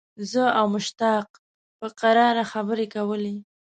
زه او مشتاق په کراره خبرې کولې.